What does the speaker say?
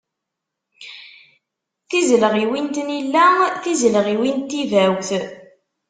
Tizelɣiwin n tnilla, tizelɣiwin n tibawt.